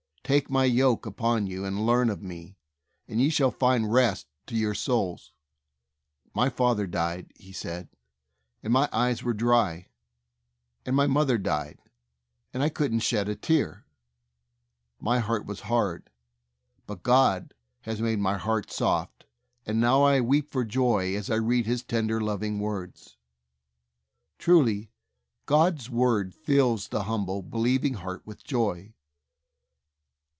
Take My yoke upon you, and learn of Me, and ye shall find rest to your souls.' My father died," he said, "and my eyes were dry, and my mother died, and I couldn't shed a tear. My heart was hard, but God has made BIBLE STUDY. 173 my heart soft, and now I weep for joy as I read His tender, loving words." Truly God's Word fills the humble, believ ing heart with joy.